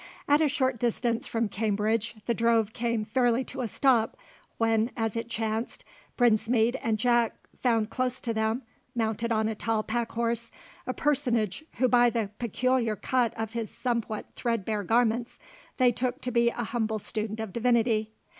At a short distance from Cambridge the drove came fairly to a stop, when, as it chanced, Brinsmead and Jack found close to them, mounted on a tall pack horse, a personage who by the peculiar cut of his somewhat threadbare garments they took to be a humble student of divinity.